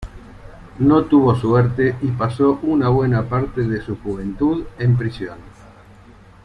No tuvo suerte y pasó una buena parte de su juventud en prisión.